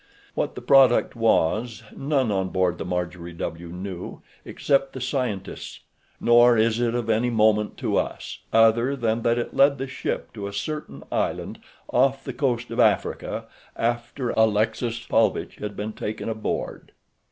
What the product was none on board the Marjorie W. knew except the scientists, nor is it of any moment to us, other than that it led the ship to a certain island off the coast of Africa after Alexis Paulvitch had been taken aboard.